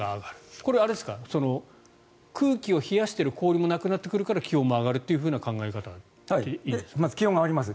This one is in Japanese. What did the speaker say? これは空気を冷やしている氷もなくなるから気温も上がるという考え方でいいんですか？